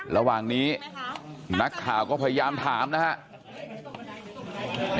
ระหว่างนี้นักข่าวก็พยายามถามนะครับ